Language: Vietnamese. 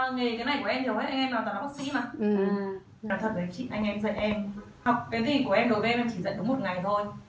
học cái gì của em đối với em em chỉ dạy đúng một ngày thôi